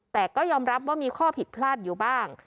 แต่ก็ยอมรับว่ามีข้อผิดพลาดอยู่บ้าง